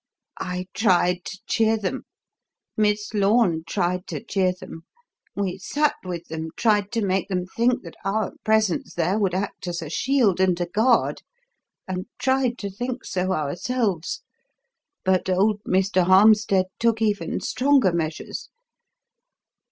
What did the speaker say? "I tried to cheer them; Miss Lorne tried to cheer them. We sat with them, tried to make them think that our presence there would act as a shield and a guard and tried to think so ourselves. But old Mr. Harmstead took even stronger measures.